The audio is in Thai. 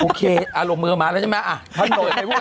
โอเคอ่าหลบมือเมาะแล้วใช่มั้ย